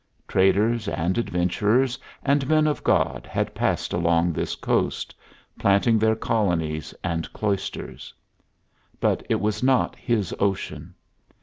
Traders, and adventurers, and men of God had passed along this coast, planting their colonies and cloisters; but it was not his ocean.